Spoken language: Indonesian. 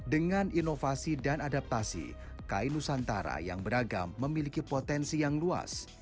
dengan inovasi dan adaptasi kain nusantara yang beragam memiliki potensi yang luas